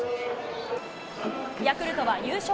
ヤクルトは優勝